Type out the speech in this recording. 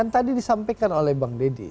jadi disampaikan oleh bang deddy